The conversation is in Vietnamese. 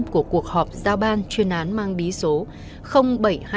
của cuộc họp giao ban chuyên án mang bí số bảy trăm hai mươi ba g